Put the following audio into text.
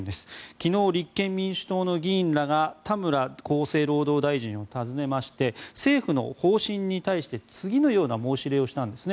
昨日、立憲民主党の議員らが田村厚生労働大臣を訪ねまして政府の方針に対して次のような申し入れをしたんですね。